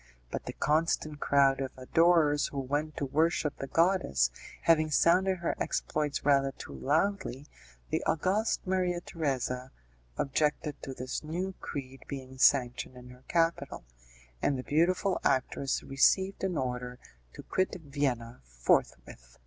But the constant crowd of adorers who went to worship the goddess, having sounded her exploits rather too loudly, the august Maria Theresa objected to this new creed being sanctioned in her capital, and the beautiful actress received an order to quit Vienna forthwith.